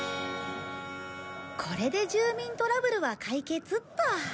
これで住民トラブルは解決っと。